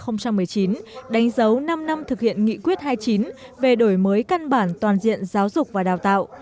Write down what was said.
năm học hai nghìn một mươi tám hai nghìn một mươi chín đánh dấu năm năm thực hiện nghị quyết hai mươi chín về đổi mới căn bản toàn diện giáo dục và đào tạo